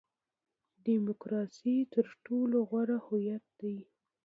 ډیموکراسي تر ټولو غوره هویت دی.